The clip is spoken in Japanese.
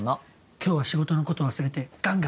今日は仕事のこと忘れてガンガン食べよう。